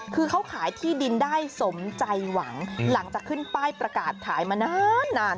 คือเขาขายที่ดินได้สมใจหวังหลังจากขึ้นป้ายประกาศขายมานานนาน